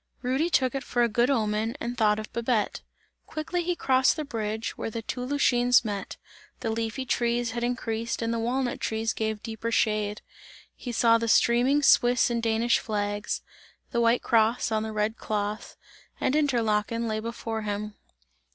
Rudy took it for a good omen and thought of Babette. Quickly he crossed the bridge, where the two Lütschines meet; the leafy trees had increased and the walnut trees gave deeper shade. He saw the streaming Swiss and Danish flags the white cross on the red cloth and Interlaken lay before him.